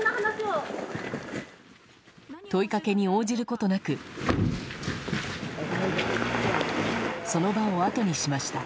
問いかけに応じることなくその場をあとにしました。